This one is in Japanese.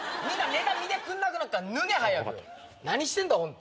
みんなネタ見てくんなくなっから脱げ早く。